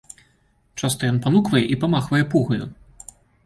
Часта ён пануквае і памахвае пугаю.